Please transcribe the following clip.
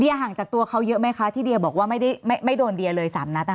ห่างจากตัวเขาเยอะไหมคะที่เดียบอกว่าไม่โดนเดียเลย๓นัดนะคะ